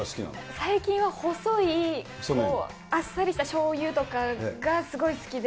最近は、細いあっさりしたしょうゆとかが、すごい好きで。